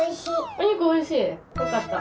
おにくおいしいよかった。